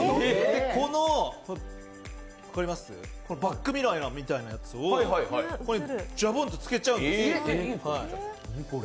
このバックミラーみたいなやつを、じゃぼんとつけちゃうんですよ。